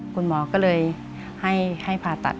คุณหมอก็เลยให้ผ่าตัด